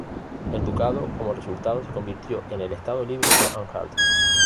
El ducado como resultado se convirtió en el Estado Libre de Anhalt.